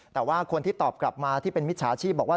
แต่ว่าคนที่ตอบกลับมาที่เป็นมิจฉาชีพบอกว่า